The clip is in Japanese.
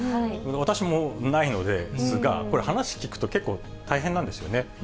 私もないのですが、これ、話聞くと、結構、大変なんですよね。